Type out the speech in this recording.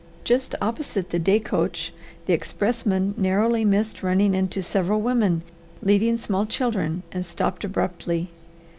Just opposite the day coach the expressman narrowly missed running into several women leading small children and stopped abruptly.